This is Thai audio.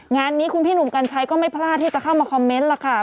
งานนี้คุณพี่หนุ่มกัญชัยก็ไม่พลาดที่จะเข้ามาคอมเมนต์ล่ะค่ะ